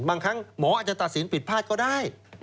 บางครั้งหมออาจจะตัดสินผิดพลาดก็ได้